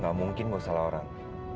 gak mungkin mau salah orang